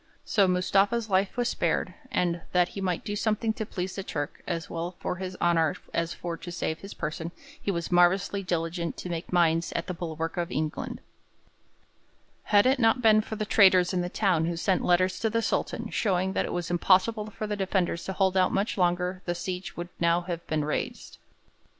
So Mustafa's life was spared, and 'that he might do something to please the Turk, as well for his honour as for to save his person, he was marvellously diligent to make mines at the bulwark of England.' [Illustration: DISCOVERING THE TRAITOR.] Had it not been for the traitors in the town who sent letters to the Sultan showing that it was impossible for the defenders to hold out much longer the siege would now have been raised.